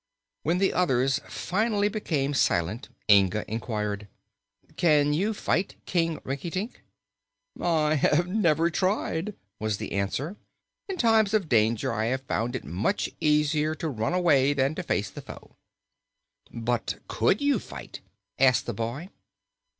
When the others finally became silent, Inga inquired. "Can you fight, King Rinkitink?" "I have never tried," was the answer. "In time of danger I have found it much easier to run away than to face the foe." "But could you fight?" asked the boy.